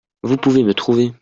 Vous pouvez me trouver.